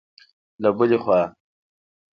له بلې خوا